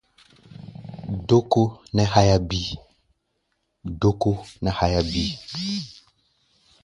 Dókó nɛ́ háyá bíí.